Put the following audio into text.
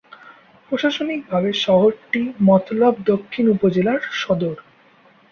প্রশাসনিকভাবে শহরটি মতলব দক্ষিণ উপজেলার সদর।